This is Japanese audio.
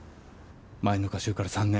前の歌集から３年。